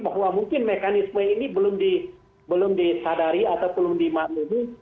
bahwa mungkin mekanisme ini belum disadari atau belum dimaklumi